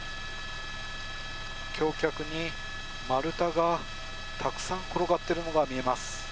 橋脚に丸太がたくさん転がっているのが見えます。